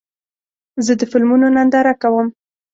زه د فلمونو ننداره کوم.